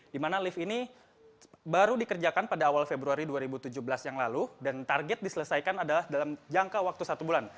di mana lift ini baru dikerjakan pada awal februari dua ribu tujuh belas yang lalu dan target diselesaikan adalah dalam jangka waktu satu bulan